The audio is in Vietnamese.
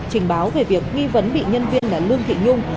trình báo về việc nghi vấn bị nhân viên là lương thị nhung